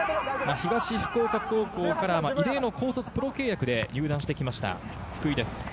東福岡高校から異例の高卒プロ契約で入団してきました、福井です。